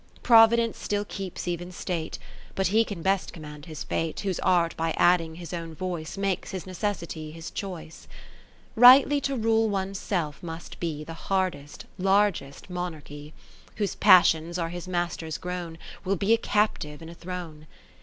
XXIV Providence still keeps even state ; liut he can best command his fate, Whose art by adding his own voice, Makes his necessity his choice. (564) XXV Rightly to rule one's self must be The hardest, largest monarchy : Whose passions are his masters grown, Will be a captive in a throne.